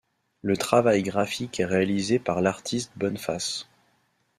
Le travail graphique est réalisé par l'artiste Boneface.